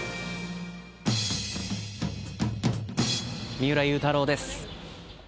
三浦祐太朗です。